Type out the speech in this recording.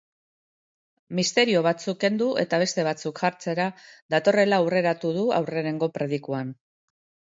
Misterio batzuk kendu eta beste batzuk jartzera datorrela aurreratu du aurrenengo predikuan.